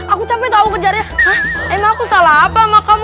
aku capek tahu kejar emang aku salah apa maka